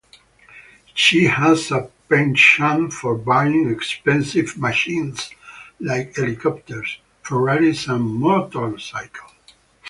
She has a penchant for buying expensive machines like helicopters, Ferraris, and motorcycles.